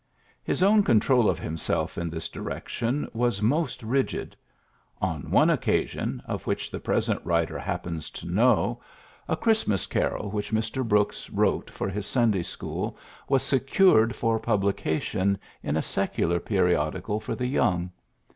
'' His own control of himself in this direction was most rigid. On one occasion, of which the present writer happens to know, a PHILLIPS BROOKS 69 Christmas carol which Mr. Brooks wrote for his Sunday school was secured for publication in a secular periodical for the young.